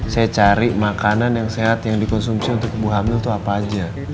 saya cari makanan yang sehat yang dikonsumsi untuk ibu hamil itu apa aja